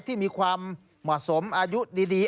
ที่มีความเหมาะสมอายุดี